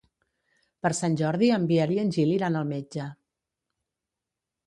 Per Sant Jordi en Biel i en Gil iran al metge.